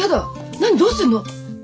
何どうすんの。